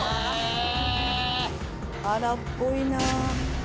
荒っぽいなあ。